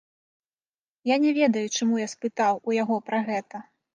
Я не ведаю, чаму я спытаў у яго пра гэта.